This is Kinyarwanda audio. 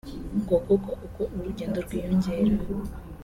ngo kuko uko urugendo rwiyongera